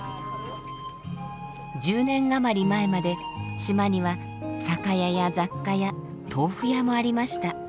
１０年余り前まで島には酒屋や雑貨屋豆腐屋もありました。